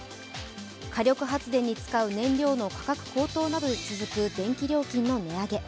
火力発電に使う燃料の価格高騰などで続く電気料金の値上げ。